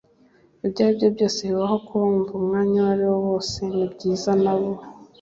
ibyo ari byo byose bibaho kuba wumva umwanya uwariwo wose nibyiza nabo